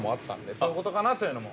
そういうことかなというのも。